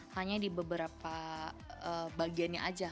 hanya di beberapa bagiannya aja